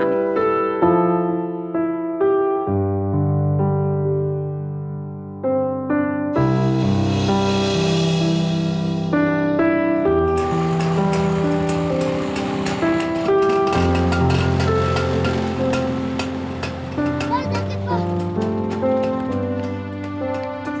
aduh sakit pak